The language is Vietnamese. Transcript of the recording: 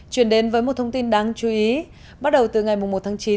chuyển đến với một thông tin đáng chú ý bắt đầu từ ngày một tháng chín